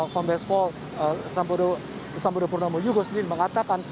kompes pol sambodo purnamo yugo sendiri mengatakan